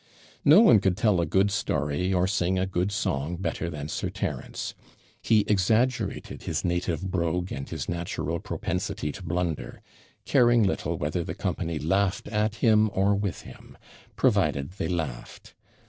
No one could tell a good story, or sing a good song better than Sir Terence; he exaggerated his native brogue, and his natural propensity to blunder, caring little whether the company laughed at him or with him, provided they laughed.